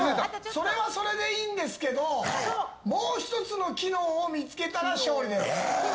それはそれでいいんですけどもう１つの機能を見つけたら勝利です。